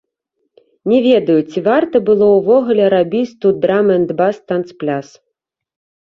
Не ведаю, ці варта было ўвогуле рабіць тут драм-энд-бас танцпляц.